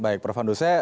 baik baik prof andrusnya